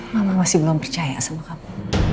mama masih belum percaya sama kamu